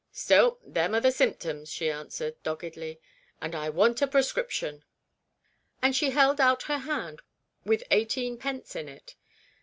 "Still, them are the symptoms," she answered, doggedly, " and I want a prescription." And she held out her hand, with eighteenpence in it.